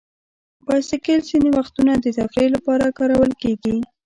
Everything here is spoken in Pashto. بایسکل ځینې وختونه د تفریح لپاره کارول کېږي.